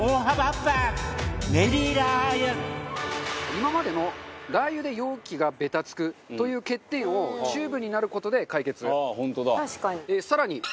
今までの、ラー油で容器がベタつくという欠点をチューブになる事で解決。